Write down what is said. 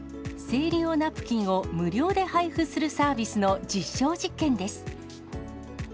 生理用ナプキンを無料で配布するサービスの実証実験です。